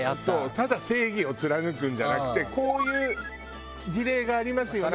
ただ正義を貫くんじゃなくてこういう事例がありますよね。